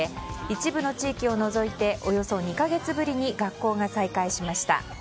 一部の地域を除いておよそ２か月ぶりに学校が再開しました。